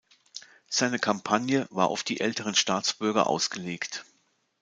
Seine Kampagne war auf die älteren Staatsbürger ausgelegt.